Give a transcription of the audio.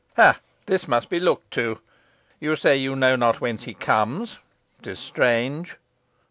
"Ha! this must be looked to," cried the abbot. "You say you know not whence he comes? 'Tis strange."